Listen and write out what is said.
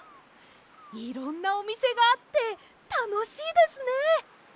いろんなおみせがあってたのしいですね！